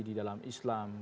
di dalam islam